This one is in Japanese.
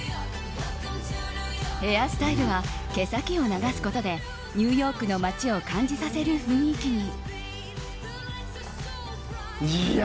ヘアスタイルは毛先を流すことでニューヨークの街を感じさせる雰囲気に。